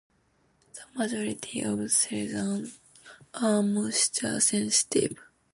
The majority of silazanes are moisture sensitive.